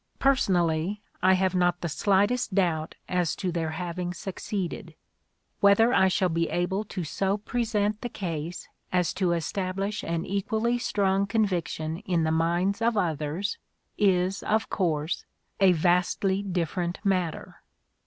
Personally, I have not the slightest doubt as to their having succeeded. Whether I shall be able to so present the case as to establish an equally strong conviction in the minds of others, is, of course, a vastly different matter.